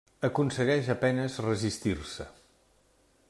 Aconsegueix a penes resistir-se.